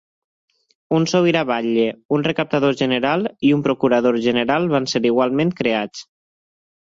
Un sobirà batlle, un recaptador general i un procurador general van ser igualment creats.